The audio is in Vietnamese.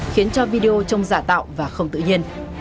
khiến cho video trông giả tạo và không tự nhiên